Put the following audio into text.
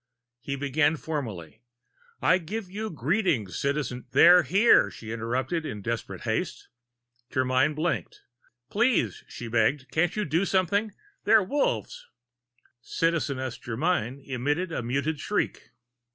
He began formally: "I give you greeting, Citi " "They're here!" she interrupted in desperate haste. Germyn blinked. "Please," she begged, "can't you do something? They're Wolves!" Citizeness Germyn emitted a muted shriek.